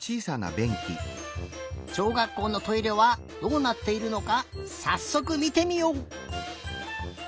しょうがっこうのトイレはどうなっているのかさっそくみてみよう！